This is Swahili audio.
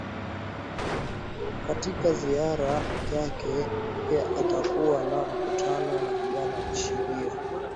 katika ziara yake pia atakuwa na mkutano na vijana nchi hiyo